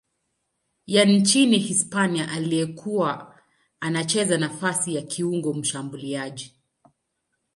ya nchini Hispania aliyekuwa anacheza nafasi ya kiungo mshambuliaji.